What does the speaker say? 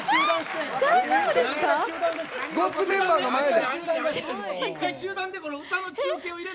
ごっつメンバーの前で？